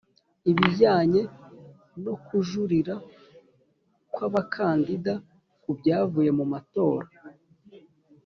ibijyanye no kujurira kw abakandida ku byavuye mu matora